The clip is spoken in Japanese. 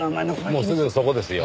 もうすぐそこですよ。